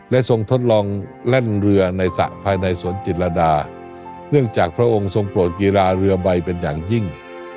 และทรงทดลองแล่นเรือในสระภายในสวนจิตรดาเนื่องจากพระองค์ทรงโปรดกีฬาเรือใบเป็นอย่างยิ่ง